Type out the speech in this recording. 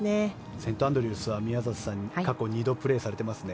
セントアンドリュースは宮里さん、過去２度プレーされていますね。